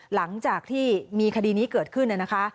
หลังจากที่มีคดีนี้เกิดขึ้นนะคะ